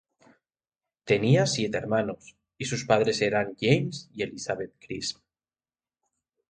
Tenía siete hermanos, y sus padres eran James y Elizabeth Crisp.